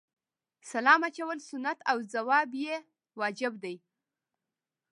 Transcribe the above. سلام اچول سنت او جواب یې واجب دی